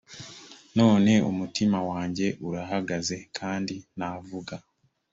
none umutima wanjye urahagaze kandi navuga